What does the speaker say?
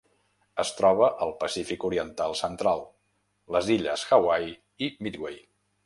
Es troba al Pacífic oriental central: les illes Hawaii i Midway.